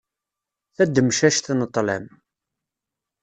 Tademcact n ṭlam.